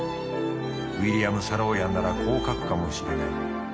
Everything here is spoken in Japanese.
ウィリアム・サローヤンならこう書くかもしれない。